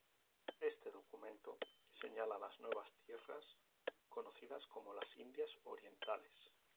Este documento señala las nuevas tierras, conocidas como las "Indias orientales".